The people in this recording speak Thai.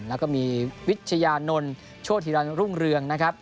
แล้วก็มีวิชยานนท์โชทธิรันดิ์รุ่งเรือง